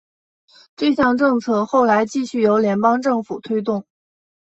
这项政策后来继续由联合邦政府推动。